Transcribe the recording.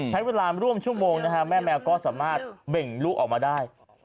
ใช้เวลาร่วมชั่วโมงนะฮะแม่แมวก็สามารถเบ่งลูกออกมาได้